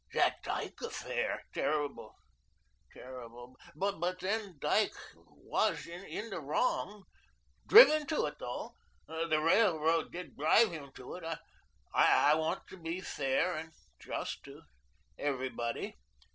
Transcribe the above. That Dyke affair, terrible, terrible; but then Dyke WAS in the wrong driven to it, though; the Railroad did drive him to it. I want to be fair and just to everybody."